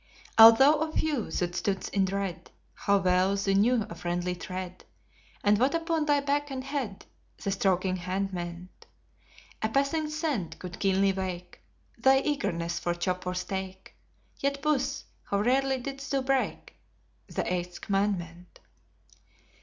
Although of few thou stoodst in dread, How well thou knew a friendly tread, And what upon thy back and head The stroking hand meant. A passing scent could keenly wake Thy eagerness for chop or steak, Yet, Puss, how rarely didst thou break The eighth commandment.